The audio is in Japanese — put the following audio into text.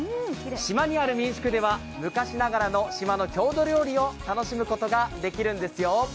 島にある民宿では、昔ながらの島の郷土料理を楽しむことができるんですよ。